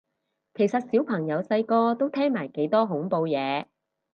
其實小朋友細個都聽埋幾多恐怖嘢